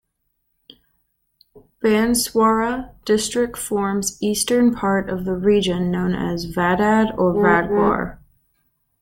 Banswara district forms eastern part of the region known as Vagad or Vagwar.